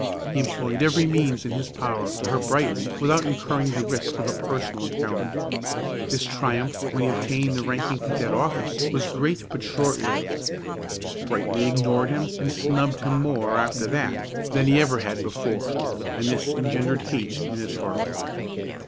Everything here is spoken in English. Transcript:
He employed every means in his power to hurt Brightly without incurring the risk of a personal encounter. His triumph when he obtained the ranking cadet office was great but short lived. Brightly ignored him and snubbed him more after that than he ever had before, and this engendered hate in his heart.